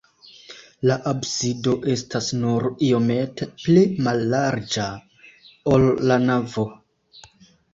La absido estas nur iomete pli mallarĝa, ol la navo.